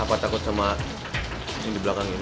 apa takut sama yang di belakang ini